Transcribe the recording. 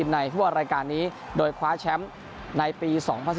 ในฟุตบอลรายการนี้โดยคว้าแชมป์ในปี๒๐๑๙